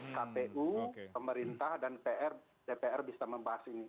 kpu pemerintah dan pr dpr bisa membahas ini